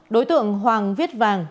đối tượng hoàng viết vàng